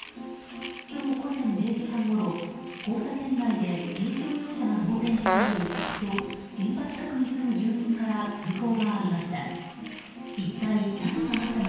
今日午前０時半ごろ交差点内で軽乗用車が横転していると現場近くに住む住民から通報がありました。